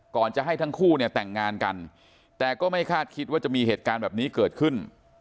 ก่อนจะให้ทั้งคู่เนี่ยแต่งงานกันแต่ก็ไม่คาดคิดว่าจะมีเหตุการณ์แบบนี้เกิดขึ้น